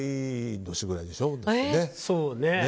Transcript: そうね。